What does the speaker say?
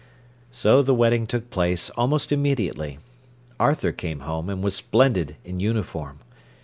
So the wedding took place almost immediately. Arthur came home, and was splendid in uniform.